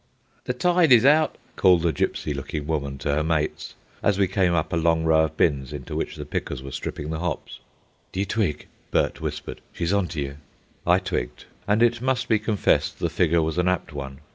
"The tide is out," called a gypsy looking woman to her mates, as we came up a long row of bins into which the pickers were stripping the hops. "Do you twig?" Bert whispered. "She's on to you." I twigged. And it must be confessed the figure was an apt one.